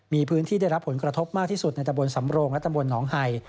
มีพื้นที่ได้รับผลกระทบมากที่สุดในตะบนสำโรงและตำบลหนองไห่